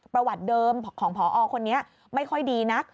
ประวัติเดิมของพอคนนี้ไม่ค่อยดีนัก